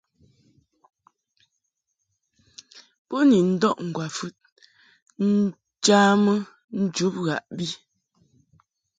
Bo ni ndɔʼ ŋgwafɨd njamɨ njub ghaʼbi.